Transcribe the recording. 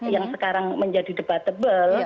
yang sekarang menjadi debatable